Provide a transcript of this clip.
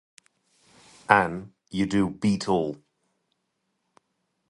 Anne, you do beat all!